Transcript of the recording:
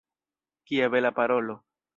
Kia bela parolo!